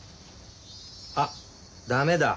あっ駄目だ。